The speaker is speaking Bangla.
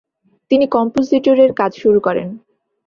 তিনি কম্পোসিটরের কাজ শুরু করেন।